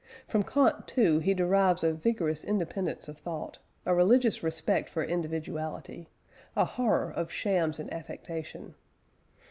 From Kant, too, he derives a vigorous independence of thought, a religious respect for individuality, a horror of shams and affectation.